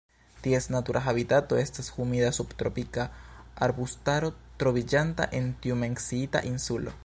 Ties natura habitato estas humida subtropika arbustaro troviĝanta en tiu menciita insulo.